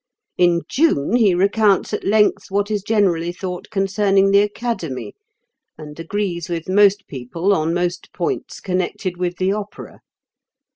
In June he recounts at length what is generally thought concerning the Academy, and agrees with most people on most points connected with the Opera.